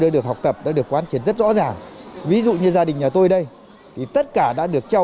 đã được học tập đã được quan triển rất rõ ràng ví dụ như gia đình nhà tôi đây thì tất cả đã được treo